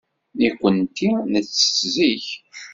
Nekkenti nettett zik.